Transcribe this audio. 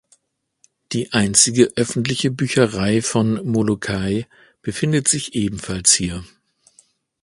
Die einzige öffentliche Bücherei von Molokai befindet sich ebenfalls hier.